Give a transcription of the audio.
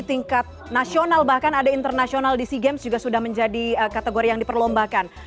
tingkat nasional bahkan ada internasional di sea games juga sudah menjadi kategori yang diperlombakan